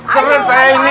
seret saya ini